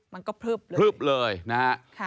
มันก็พึบเลยนะฮะ